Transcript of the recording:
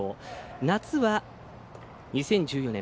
夏は２０１４年